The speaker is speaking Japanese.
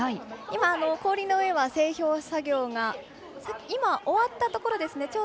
今、氷の上は、整氷作業が終わったところですね。